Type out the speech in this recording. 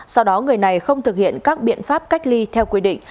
sau đó người này không thực hiện các biện pháp cách ly theo quy định